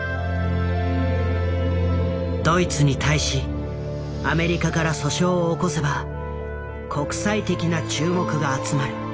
ドイツに対しアメリカから訴訟を起こせば国際的な注目が集まる。